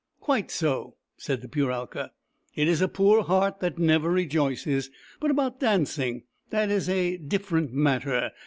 " Quite so," said the Puralka. "It is a poor heart that never rejoices. But about dancing — that is a different matter.